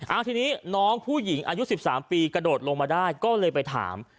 เอาทีนี้น้องผู้หญิงอายุ๑๓ปีกระโดดลงมาได้ก็เลยไปถาม